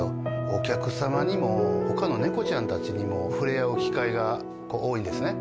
お客さまにも他の猫ちゃんたちにも触れ合う機会が多いんですね。